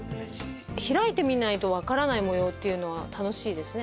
開いてみないと分からない模様っていうのは楽しいですね。